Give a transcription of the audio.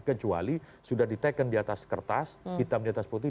kecuali sudah diteken di atas kertas hitam di atas putih